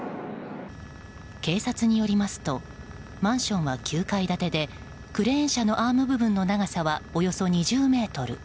警察によりますとマンションは９階建てでクレーン車のアーム部分の長さはおよそ２０ｍ。